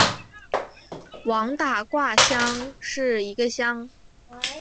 王打卦乡是中国山东省德州市平原县下辖的一个乡。